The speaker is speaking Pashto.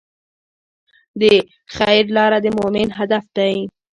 د خیر لاره د مؤمن هدف دی.